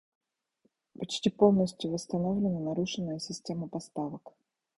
Почти полностью восстановлена нарушенная система поставок.